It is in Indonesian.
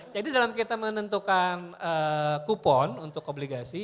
jadi dalam kita menentukan kupon untuk obligasi